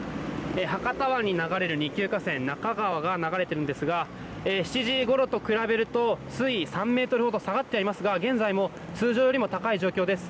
博多湾に流れる二級河川那珂川が流れているんですが７時ごろと比べると水位３ｍほど下がってはいますが現在も通常よりも高い状況です。